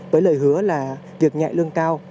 với lời hứa là việc nhạy lương cao